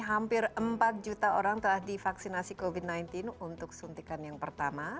hampir empat juta orang telah divaksinasi covid sembilan belas untuk suntikan yang pertama